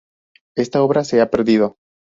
Esta obra se ha perdido.